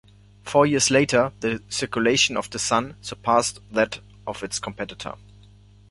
Four years later, the circulation of the "Sun" surpassed that of its competitor.